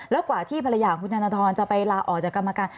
แล้วกว่าที่ภรรยาของคุณธนทรจะไปลาออกจากกรรมการ